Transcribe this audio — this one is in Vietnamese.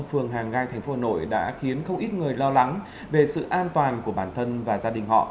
phường hàng gai tp hà nội đã khiến không ít người lo lắng về sự an toàn của bản thân và gia đình họ